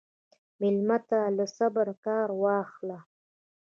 مېلمه ته له صبره کار واخله.